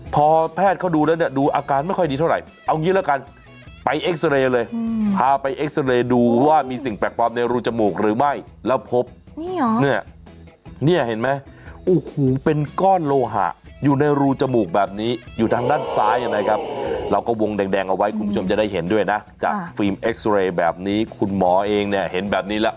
พอแพทย์เขาดูแล้วเนี่ยดูอาการไม่ค่อยดีเท่าไหร่เอางี้แล้วกันไปเอ็กซาเรย์เลยพาไปเอ็กซาเรย์ดูว่ามีสิ่งแปลกปลอมในรูจมูกหรือไม่แล้วพบเนี่ยเนี่ยเห็นไหมโอ้โหเป็นก้อนโลหะอยู่ในรูจมูกแบบนี้อยู่ทางด้านซ้ายนะครับเราก็วงแดงเอาไว้คุณผู้ชมจะได้เห็นด้วยนะจากฟิล์มเอ็กซ์เรย์แบบนี้คุณหมอเองเนี่ยเห็นแบบนี้แล้ว